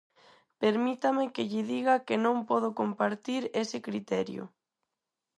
Permítame que lle diga que non podo compartir ese criterio.